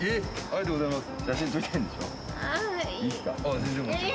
ありがとうございます。